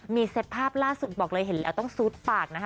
มีเซตภาพล่าสุดบอกเลยเห็นแล้วต้องซูดปากนะคะ